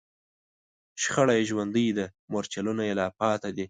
شخړه یې ژوندۍ ده، مورچلونه یې لا پاتې دي